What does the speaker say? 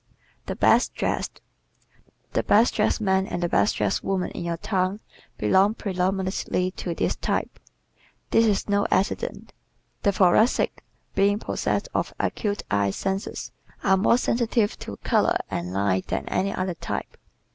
The Best Dressed ¶ The best dressed man and the best dressed woman in your town belong predominantly to this type. This is no accident. The Thoracics, being possessed of acute eye senses, are more sensitive to color and line than any other type.